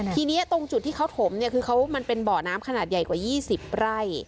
ทีนี้ตรงจุดที่เขาถมเนี่ยคือมันเป็นบ่อน้ำขนาดใหญ่กว่า๒๐ไร่